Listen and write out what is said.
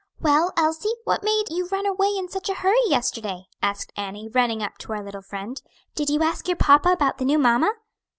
"Well, Elsie, what made you run away in such a hurry yesterday?" asked Annie, running up to our little friend. "Did you ask your papa about the new mamma?"